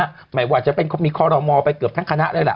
หมายความว่าจะเป็นมีคอลโรมอล์ไปเกือบทั้งคณะเลยล่ะ